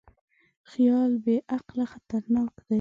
خیال بېعقله خطرناک دی.